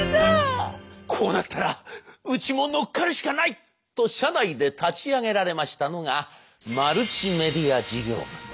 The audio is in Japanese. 「こうなったらうちも乗っかるしかない！」と社内で立ち上げられましたのがマルチメディア事業部。